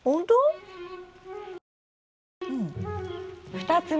２つ目。